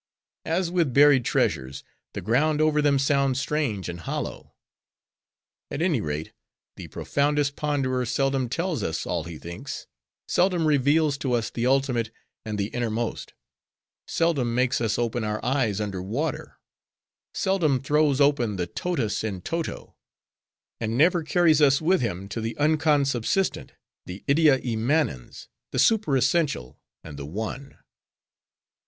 As with buried treasures, the ground over them sounds strange and hollow. At any rate, the profoundest ponderer seldom tells us all he thinks; seldom reveals to us the ultimate, and the innermost; seldom makes us open our eyes under water; seldom throws open the totus in toto; and never carries us with him, to the unconsubsistent, the ideaimmanens, the super essential, and the One."